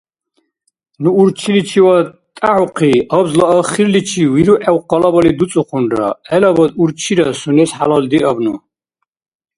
Ну урчиличивад тӀяхӀухъи, абзла ахирличивиругӀев къалабали дуцӀухъунра, гӀелабад — урчира, сунес хӀялалдиабну.